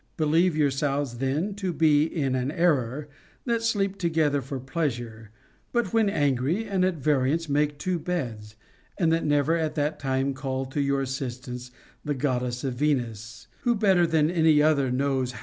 Believe yourselves then to be in an error that sleep together for pleasure, but when angry and at variance make two beds, and that never at that time call to your assistance the Goddess Venus, who better than any other knows CONJUGAL PRECEPTS.